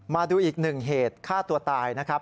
มาดูอีกหนึ่งเหตุฆ่าตัวตายนะครับ